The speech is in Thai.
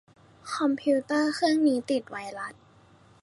คอมพิวเตอร์เครื่องนี้ติดไวรัส